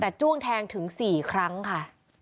แต่จ้วงแทงถึง๔ครั้งค่ะ